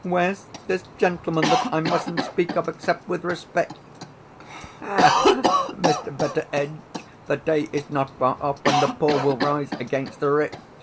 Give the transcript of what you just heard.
"Where's this gentleman that I mustn't speak of, except with respect? Ha, Mr. Betteredge, the day is not far off when the poor will rise against the rich.